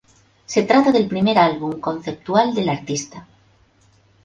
Se trata del primer álbum conceptual del artista.